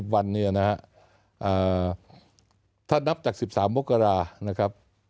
วันเนี่ยนะฮะถ้านับจาก๑๓มกรานะครับ